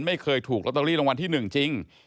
ไม่เคยถูกลอตเตอรี่รางวัลที่๑จริง